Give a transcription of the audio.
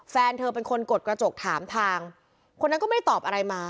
แฟนเธอเป็นคนกดกระจกถามทางคนนั้นก็ไม่ได้ตอบอะไรมา